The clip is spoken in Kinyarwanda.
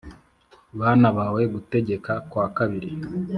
bana bawe Gutegeka kwa Kabiri